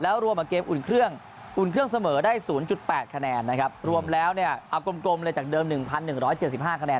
รวมกับเกมอุ่นเครื่องอุ่นเครื่องเสมอได้๐๘คะแนนนะครับรวมแล้วเนี่ยเอากลมเลยจากเดิม๑๑๗๕คะแน